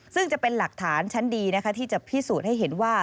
ซึ่งจะเป็นหลักฐานชั้นดีนะคะที่จะพิสูจน์ให้เห็นว่า